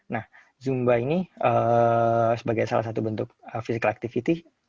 nah zumba ini sebagai salah satu bentuk physical activity